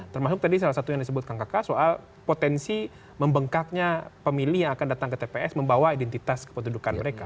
termasuk tadi salah satu yang disebut kang kakak soal potensi membengkaknya pemilih yang akan datang ke tps membawa identitas kependudukan mereka